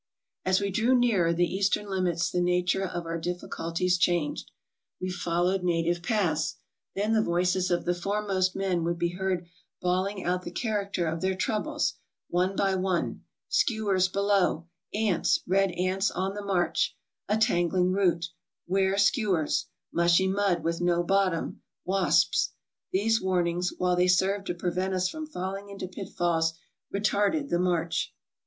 As we drew nearer the eastern limits the nature of our difficulties changed. We followed native paths. Then the voices of the foremost men would be heard bawling out the character of their troubles, one by one: " Skewers below," "Ants — red ants on the march," "A tangling root," "'Ware skewers," "Mushy mud, with no bottom," •' Wasps. '' These warnings, while they served to prevent us from falling into pitfalls, retarded the march.